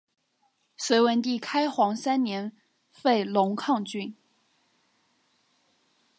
隋文帝开皇三年废龙亢郡。